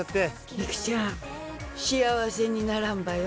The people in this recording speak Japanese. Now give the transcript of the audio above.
育ちゃん、幸せにならんばよ。